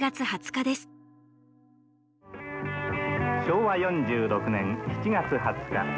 「昭和４６年７月２０日。